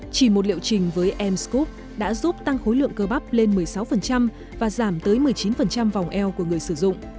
chỉ một liệu trình với em scrub đã giúp tăng khối lượng cơ bắp lên một mươi sáu và giảm tới một mươi chín vòng eo của người sử dụng